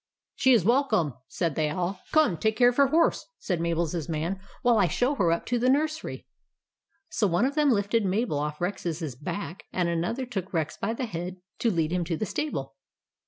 " She is welcome," said they all. " Come, take care of her horse," said Mabel's man, " while I show her up to the nursery." So one of them lifted Mabel off Rex's back, and another took Rex by the head to lead him to the stable.